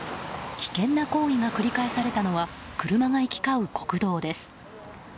危険な行為が繰り返されたのは車が行き交う国道です。